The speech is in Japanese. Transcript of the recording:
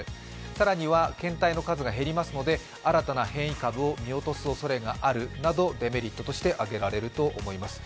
さらには、検体の数が減りますので新たな変異株を見落とすおそれがあるなどデメリットとして挙げられると思います。